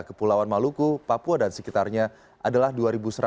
kepulauan maluku papua dan sekitarnya adalah rp dua seratus